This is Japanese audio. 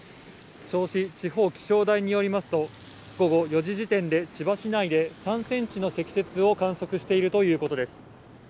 銚子地方気象台によりますと、午後４時時点で、千葉市内で３センチの積雪を観測しているということです。